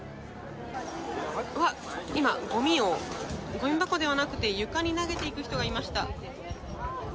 うわっ、今、ごみを、ごみ箱ではなくて、床に投げていく人がいました。